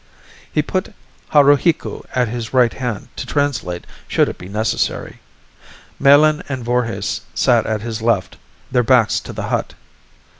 He put Haruhiku at his right hand to translate should it be necessary. Melin and Voorhis sat at his left, their backs to the hut.